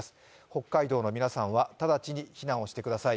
北海道の皆さんは直ちに避難をしてください